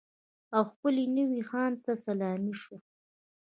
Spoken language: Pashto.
او خپل نوي خان ته سلامي شول.